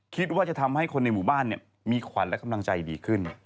คิดว่าจะทำให้คนในหมู่บ้านมีขวัญและกำลังใจดีขึ้น